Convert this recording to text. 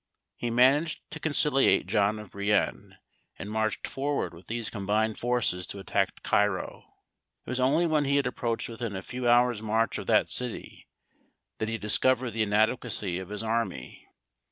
He managed to conciliate John of Brienne, and marched forward with these combined forces to attack Cairo. It was only when he had approached within a few hours' march of that city that he discovered the inadequacy of his army.